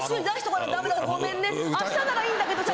明日ならいいんだけどさ。